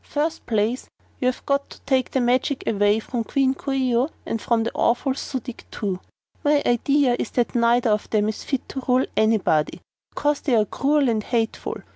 First place, you've got to take the magic away from Queen Coo ee oh, and from that awful Su dic, too. My idea is that neither of them is fit to rule anybody, 'cause they're cruel and hateful.